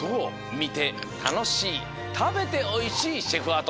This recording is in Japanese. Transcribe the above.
みてたのしいたべておいしいシェフアート。